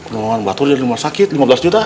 nolongan batur di rumah sakit lima belas juta